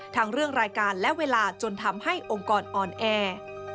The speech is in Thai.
ทั้งเรื่องรายการและเวลาจนทำให้องค์กรอออนแอร์